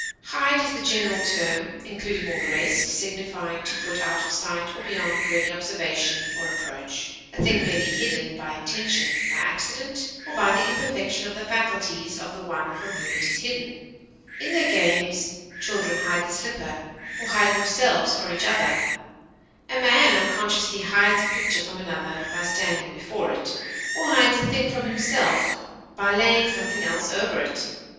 Hide is the general term, including all the rest, signifying to put out of sight or beyond ready observation or approach; a thing may be hidden by intention, by accident, or by the imperfection of the faculties of the one from whom it is hidden; in their games, children hide the slipper, or hide themselves from each other; a man unconsciously hides a picture from another by standing before it, or hides a thing from himself by laying something else over it.